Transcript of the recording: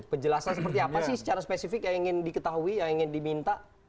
penjelasan seperti apa sih secara spesifik yang ingin diketahui yang ingin diminta